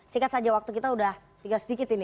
sikat saja waktu kita sudah tiga sedikit ini